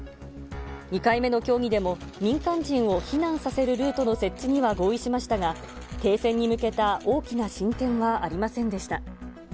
２回目の協議でも、民間人を避難させるルートの設置には合意しましたが、停戦に向けた大きな進展はありませんでした。